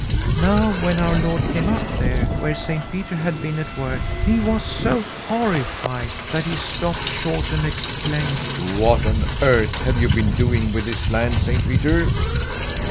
Now when our Lord came up there, where Saint Peter had been at work, he was so horrified that he stopped short and exclaimed: 'What on earth have you been doing with this land, Saint Peter?'